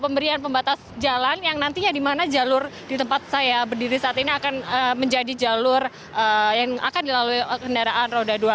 pemberian pembatas jalan yang nantinya di mana jalur di tempat saya berdiri saat ini akan menjadi jalur yang akan dilalui kendaraan roda dua